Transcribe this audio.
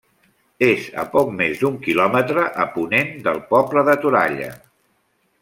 És a poc més d'un quilòmetre a ponent del poble de Toralla.